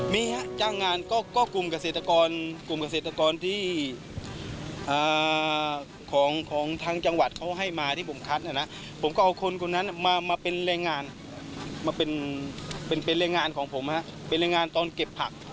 เป็นเรื่องงานของผมฮะเป็นเรื่องงานตอนเก็บผัก